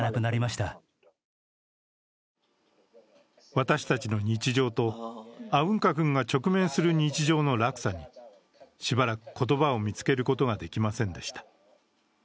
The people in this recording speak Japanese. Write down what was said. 私たちの日常とアウンカ君が直面する日常の落差にしばらく言葉を見つけることができませんでした。